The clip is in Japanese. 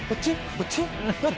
こっち？